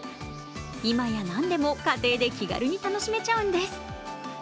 今や、何でも家庭で気軽に楽しめちゃうんです。